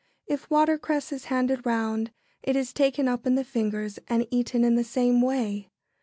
If watercress is handed round, it is taken up in the fingers and eaten in the same way.